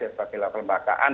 dan spesialisasi lembagaan